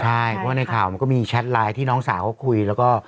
ใช่เพราะว่าในข่าวมันก็มีแชทไลน์ที่น้องสาวเขาคุยแล้วก็